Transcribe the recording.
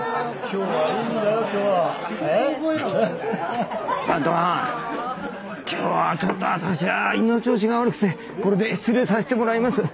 今日はちょっと私は胃の調子が悪くてこれで失礼させてもらいます。